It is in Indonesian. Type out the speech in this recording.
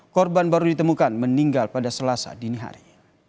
korban baru ditemukan meninggal pada selasa dini hari